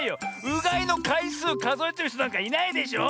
うがいのかいすうかぞえてるひとなんかいないでしょ。